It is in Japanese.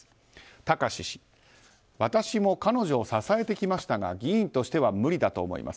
貴志氏私も彼女を支えてきましたが議員としては無理だと思います。